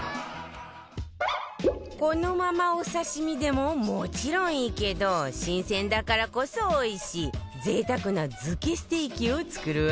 このままお刺身でももちろんいいけど新鮮だからこそおいしい贅沢な漬けステーキを作るわよ